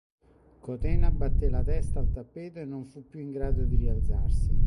Cotena batté la testa al tappeto e non fu più in grado di rialzarsi.